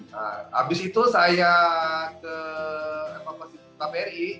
nah habis itu saya ke evakuasi kbri